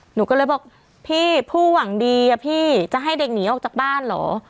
หนูก็เลยบอกพี่ผู้หวังดีอะพี่จะให้เด็กหนีออกจากบ้านเหรอ